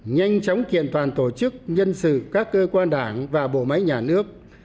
nhanh chóng kiện toàn tổ chức nhân sự các cơ quan đảng và bộ máy nhà nước